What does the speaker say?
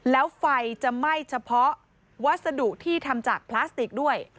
แล้วไฟจะไหม้เฉพาะวัสดุที่ทำจากพลาสติกด้วย